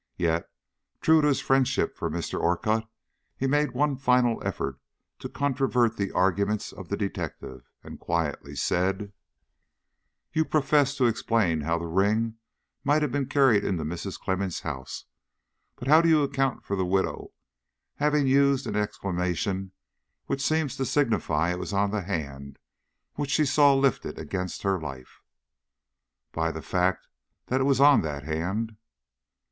Yet, true to his friendship for Mr. Orcutt, he made one final effort to controvert the arguments of the detective, and quietly said: "You profess to explain how the ring might have been carried into Mrs. Clemmens' house, but how do you account for the widow having used an exclamation which seems to signify it was on the hand which she saw lifted against her life?" "By the fact that it was on that hand."